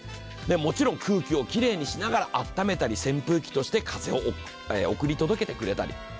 もちろん、空気をきれいにしながらあっためたり、扇風機として風を送り届けてくれたり。